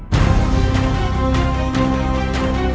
jangan lupa like share dan subscribe